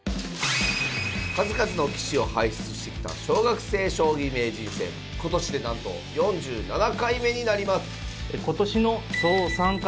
数々の棋士を輩出してきた小学生将棋名人戦今年でなんと４７回目になります。